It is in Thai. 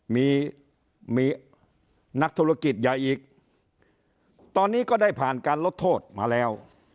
มีมีนักธุรกิจใหญ่อีกตอนนี้ก็ได้ผ่านการลดโทษมาแล้ว